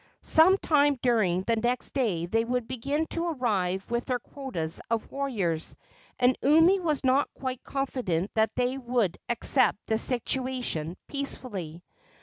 Some time during the next day they would begin to arrive with their quotas of warriors, and Umi was not quite confident that they would accept the situation peacefully.